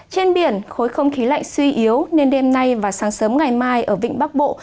trên biển khối không khí lạnh suy yếu nên đêm nay và sáng sớm ngày mai ở vịnh bắc bộ